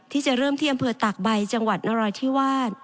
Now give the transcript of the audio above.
ที่จะเริ่มที่อำเภอตากใบจังหวัดนราธิวาส